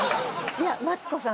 いやマツコさん